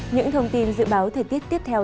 những thông tin dự báo thời tiết tiếp theo